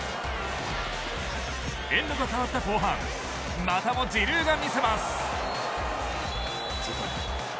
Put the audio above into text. エンドが変わった後半またもジルーが見せます。